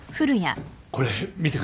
これ見てください。